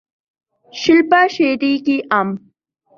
شلپا شیٹھی کی ام